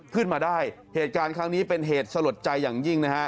ขึ้นมาได้เหตุการณ์ครั้งนี้เป็นเหตุสลดใจอย่างยิ่งนะฮะ